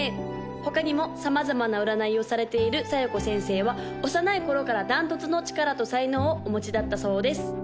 他にも様々な占いをされている小夜子先生は幼い頃から断トツの力と才能をお持ちだったそうです